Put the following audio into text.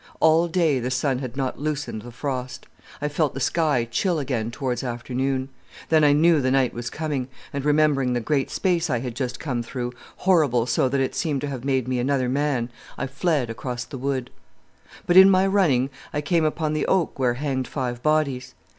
All day the sun had not loosened the frost. I felt the sky chill again towards afternoon. Then I knew the night was coming, and, remembering the great space I had just come through, horrible so that it seemed to have made me another man, I fled across the wood. "But in my running I came upon the oak where hanged five bodies.